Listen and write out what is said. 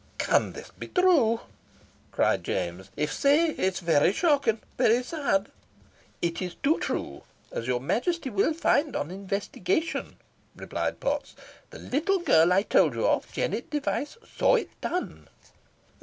"Can this be true?" cried James. "If sae it's very shocking very sad." "It is too true, as your Majesty will find on investigation," replied Potts. "The little girl I told you of, Jennet Device, saw it done."